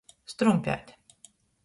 Strumpēt.